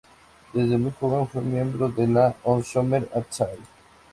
Desde muy joven fue miembro de la "Hashomer Hatzair".